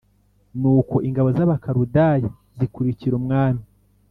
Nuko ingabo z Abakaludaya zikurikira umwami